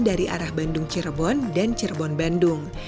dari arah bandung cirebon dan cirebon bandung